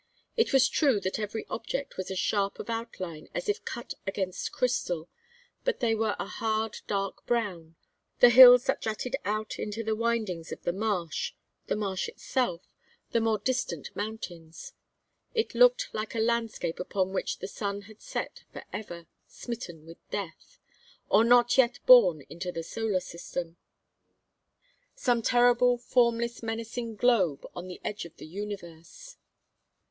It was true that every object was as sharp of outline as if cut against crystal, but they were a hard dark brown: the hills that jutted out into the windings of the marsh, the marsh itself, the more distant mountains. It looked like a landscape upon which the sun had set for ever, smitten with death or not yet born into the solar system; some terrible formless menacing globe on the edge of the Universe.